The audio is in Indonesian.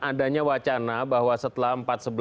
adanya wacana bahwa setelah